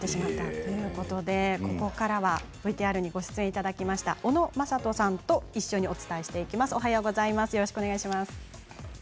ここからはＶＴＲにご出演いただきました小野正人さんと一緒にお伝えしていきます。